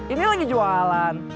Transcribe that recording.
ini lagi jualan